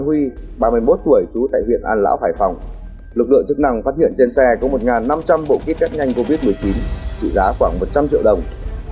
khi kiểm tra ô tô của đối tượng lại văn huy ba mươi một tuổi trú tại huyện an lão hải phòng lực lượng chức năng phát hiện trên xe có một năm trăm linh bộ ký test nhanh covid một mươi chín trị giá khoảng một trăm linh triệu đồng